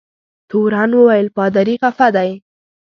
تورن وویل پادري خفه دی.